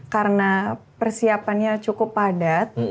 karena persiapannya cukup padat